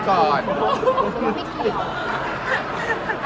ก็ไม่เกี่ยว